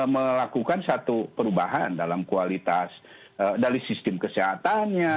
melakukan satu perubahan dalam kualitas dari sistem kesehatannya